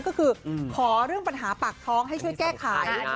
ก็คือขอเรื่องปัญหาปากท้องให้ช่วยแก้ไข